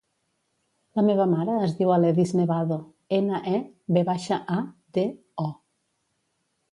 La meva mare es diu Aledis Nevado: ena, e, ve baixa, a, de, o.